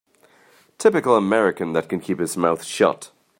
Typical American that can keep his mouth shut.